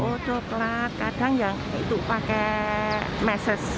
oh coklat kadang yang itu pakai meses